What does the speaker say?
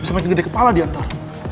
bisa makin gede kepala dia ntar